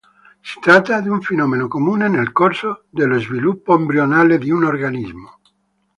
Si tratta di un fenomeno comune nel corso dello sviluppo embrionale di un organismo.